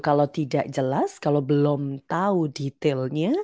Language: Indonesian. kalau tidak jelas kalau belum tahu detailnya